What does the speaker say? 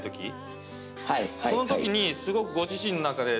このときにすごくご自身の中で。